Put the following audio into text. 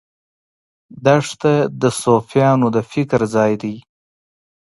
دښته د صوفیانو د فکر ځای دی.